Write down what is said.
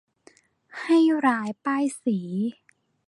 ให้ร้ายป้ายสี